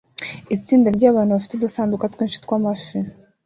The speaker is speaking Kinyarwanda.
Itsinda ryabantu bafite udusanduku twinshi twamafi